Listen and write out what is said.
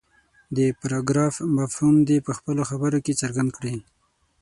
د پراګراف مفهوم دې په خپلو خبرو کې څرګند کړي.